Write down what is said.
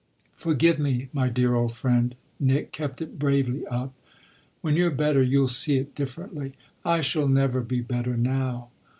"Forgive me, my dear old friend," Nick kept it bravely up. "When you're better you'll see it differently." "I shall never be better now."